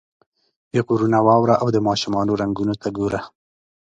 پیغورونه واوره او د ماشومانو رنګونو ته ګوره.